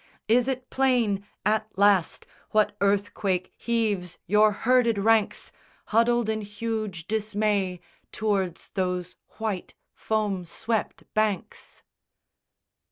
Is it plain At last, what earthquake heaves your herded ranks Huddled in huge dismay tow'rds those white foam swept banks?